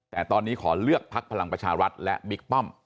แต่ตอนนี้ขอเลือกพักพลังประชารัฐและบิ๊กป้อม